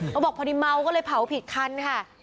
เขาบอกพอดีเมาก็เลยเผาผิดคันค่ะ